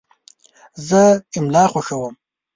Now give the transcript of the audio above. زه املا خوښوم.